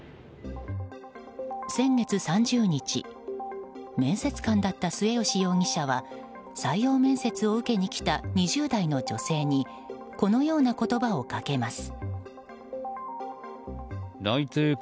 先月３０日面接官だった末吉容疑者は採用面接を受けに来た２０代の女性にこのような言葉をかけます。